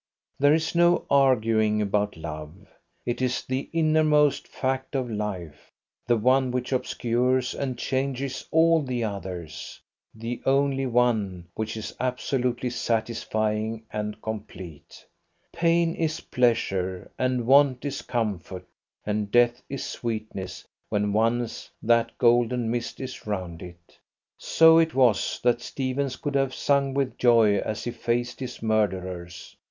There is no arguing about love. It is the innermost fact of life the one which obscures and changes all the others, the only one which is absolutely satisfying and complete. Pain is pleasure, and want is comfort, and death is sweetness when once that golden mist is round it. So it was that Stephens could have sung with joy as he faced his murderers.